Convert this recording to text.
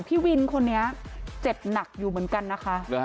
พี่วินคนนี้เจ็บหนักอยู่เหมือนกันนะคะ